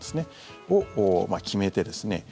それを決めてですね